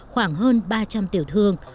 khoảng hơn ba trăm linh tiểu thương